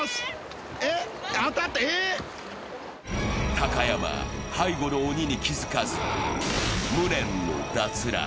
高山、背後の鬼に気づかず、無念の脱落。